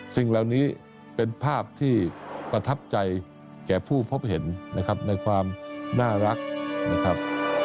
สิ่งเหล่านี้เป็นภาพที่ประทับใจแก่ผู้พบเห็นนะครับในความน่ารักนะครับ